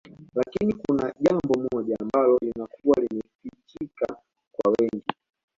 Lakini kuna jambo moja ambalo linakuwa limefichika kwa wengi